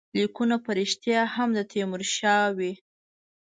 لیکونه په ریشتیا هم د تیمورشاه وي.